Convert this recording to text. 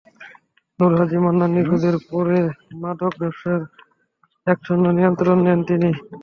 নূর হাজি, মান্নান নিখোঁজের পরে মাদক ব্যবসার একচ্ছত্র নিয়ন্ত্রণ নেন তিনি।